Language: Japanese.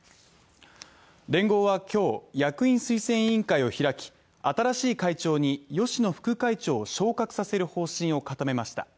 連合は今日、役員推薦会議を開き、新しい会長に芳野副会長を昇格させる方針を固めました。